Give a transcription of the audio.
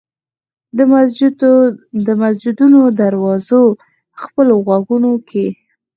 د مسجدونو دروازو خپلو غوږونو کې